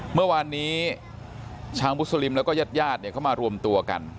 เมื่อวานนี้ชาวมุสลิมแล้วก็ญาติญาติเขามารวมตัวกัน